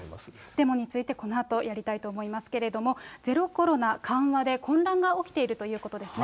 デモについてこのあとやりたいと思いますけれども、ゼロコロナ緩和で混乱が起きているということですね。